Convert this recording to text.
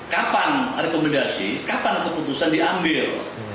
kapan rekomendasi kapan keputusan diambil